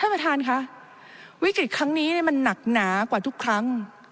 ประธานค่ะวิกฤตครั้งนี้มันหนักหนากว่าทุกครั้ง